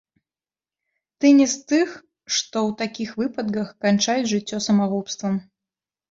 Ты не з тых, што ў такіх выпадках канчаюць жыццё самагубствам.